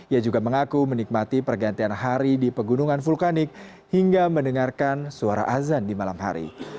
ia juga mengaku menikmati pergantian hari di pegunungan vulkanik hingga mendengarkan suara azan di malam hari